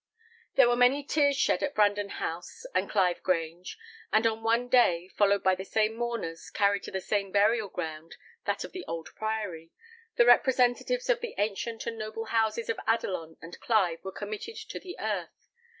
There were many tears shed at Brandon House and Clive Grange; and on one day, followed by the same mourners, carried to the same burial ground, that of the old Priory, the representatives of the ancient and noble houses of Adelon and Clive were committed to the earth.